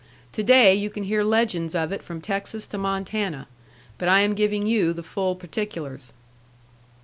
To day you can hear legends of it from Texas to Montana; but I am giving you the full particulars.